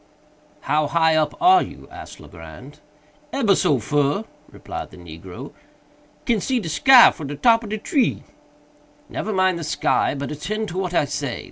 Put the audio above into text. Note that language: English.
"How high up are you?" asked Legrand. "Ebber so fur," replied the negro; "can see de sky fru de top ob de tree." "Never mind the sky, but attend to what I say.